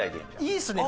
いいっすね！